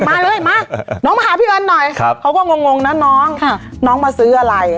มาเลยมาน้องมาหาพี่วันหน่อยเขาก็งงนะน้องน้องมาซื้ออะไร